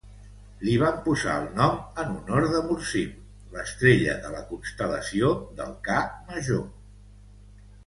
Li van posar el nom en honor de Murzim, l'estrella de la constel·lació del Ca Major.